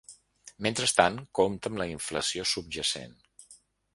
Mentrestant, compte amb la inflació subjacent!